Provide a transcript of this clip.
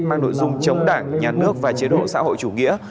mang nội dung chống đảng nhà nước và chế độ xã hội chủ nghĩa